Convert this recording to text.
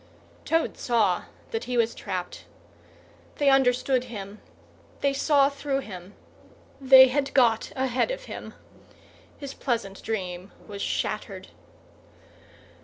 Toad saw that he was trapped. They understood him, they saw through him, they had got ahead of him. His pleasant dream was shattered.